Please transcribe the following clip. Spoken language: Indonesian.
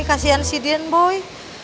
kasian si dien boy